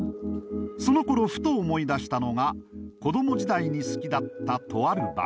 そのころふと思い出したのが子供時代に好きだったとある番組。